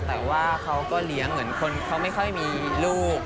แต่ว่าเขาก็เลี้ยงเหมือนคนเขาไม่ค่อยมีลูก